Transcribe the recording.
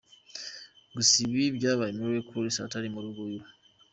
Gusa, ibi byabaye Miley Cyrus Atari mu rugo iwe.